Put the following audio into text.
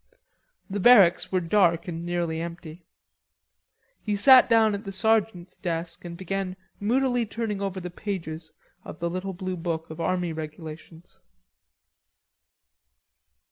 The barracks were dark and nearly empty. He sat down at the sergeant's desk and began moodily turning over the pages of the little blue book of Army Regulations.